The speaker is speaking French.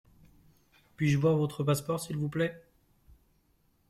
Puis-je voir votre passeport s’il vous plait ?